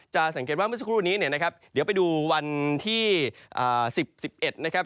สังเกตว่าเมื่อสักครู่นี้เนี่ยนะครับเดี๋ยวไปดูวันที่๑๐๑๑นะครับ